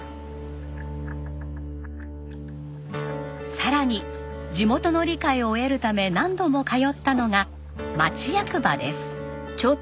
さらに地元の理解を得るため何度も通ったのが町役場です。